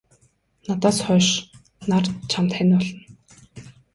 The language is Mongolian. Надаас хойш нар чамд хань болно.